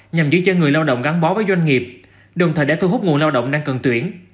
nhằm giữ chân người lao động gắn bó với doanh nghiệp đồng thời đã thu hút nguồn lao động đang cần tuyển